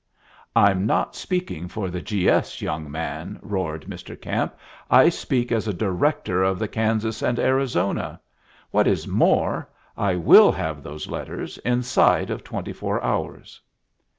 "I'm not speaking for the G. S., young man," roared Mr. Camp. "I speak as a director of the Kansas & Arizona. What is more, I will have those letters inside of twenty four hours."